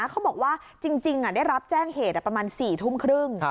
เขาบอกว่าจริงได้รับแจ้งเหตุประมาณ๔ทุ่มครึ่ง